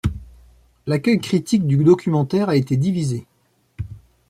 L'accueil critique du documentaire a été divisé.